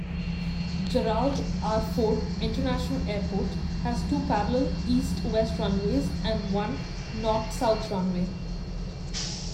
Gerald R. Ford International Airport has two parallel east-west runways and one north-south runway.